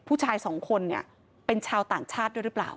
ผู้ชายสองคนเนี่ยเป็นชาวต่างชาติด้วยหรือเปล่า